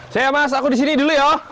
saya mas aku di sini dulu ya